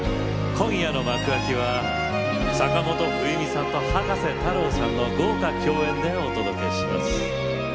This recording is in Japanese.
今夜の幕開きは坂本冬美さんと葉加瀬太郎さんの豪華共演でお届けします。